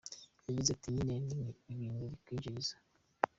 Yagize ati “nyine ni ibintu bikwinjiriza….